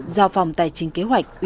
giao phòng tài chính kế hoạch